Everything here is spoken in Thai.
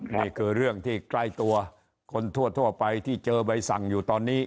นี่คือเรื่องที่ใกล้ตัวคนทั่วไปที่เจอใบสั่งอยู่ตอนนี้